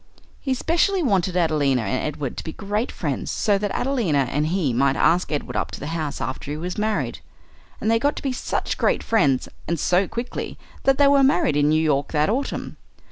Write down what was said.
He specially wanted Adelina and Edward to be great friends, so that Adelina and he might ask Edward up to the house after he was married. And they got to be such great friends, and so quickly, that they were married in New York that autumn.